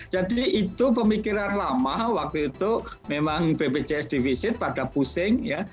jadi itu pemikiran lama waktu itu memang bpjs defisit pada pusing ya